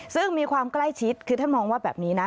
ซึ่งมีความใกล้ชิดคือท่านมองว่าแบบนี้นะ